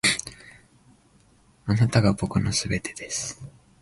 あなたが僕の全てです．